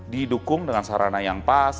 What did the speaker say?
didukung dengan sarana yang pas